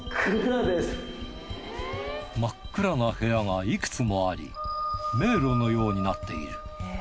真っ暗な部屋がいくつもあり迷路のようになっている。